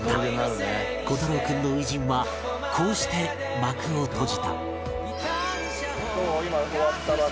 虎太朗君の初陣はこうして幕を閉じた